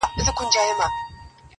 پر ملا کړوپ دی ستا له زور څخه خبر دی!!